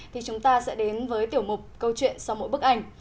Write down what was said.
thì chúng ta sẽ đến với tiểu mục câu chuyện sau mỗi bức ảnh